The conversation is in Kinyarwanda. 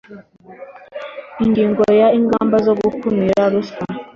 Ingingo ya Ingamba zo gukumira ruswa